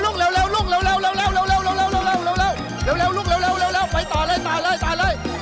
รุ๊กเร็วไปต่อเลยต่อเลย